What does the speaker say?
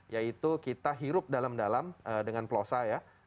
yaitu kita hirup dalam dalam dengan plosa ya